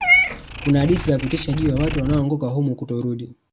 kuna hadithi za kutisha juu ya watu wanaoanguka humo kutorudi